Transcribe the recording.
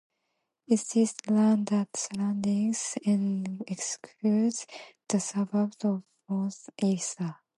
It is the land that surrounds (and excludes) the suburbs of Mount Isa.